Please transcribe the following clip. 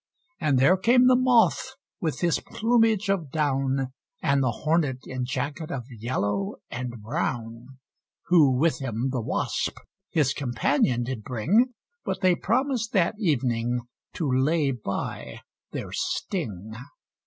And there came the Moth, with his plumage of down, And the Hornet in jacket of yellow and brown; Who with him the Wasp, his companion, did bring, But they promised that evening to lay by their sting.